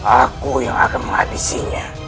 aku yang akan menghabisinya